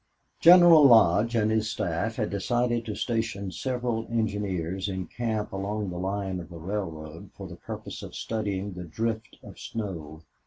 General Lodge and his staff had decided to station several engineers in camp along the line of the railroad for the purpose of studying the drift of snow.